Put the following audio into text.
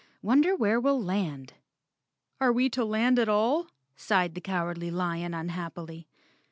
Wonder where we'll land?" "Are we to land at all?" sighed the Cowardly Lion unhappily.